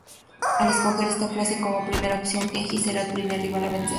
Al escoger esta clase como primera opción, Kenji será el primer rival a vencer.